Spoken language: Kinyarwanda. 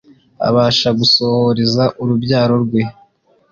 abasha gusohoreza urubyaro rwe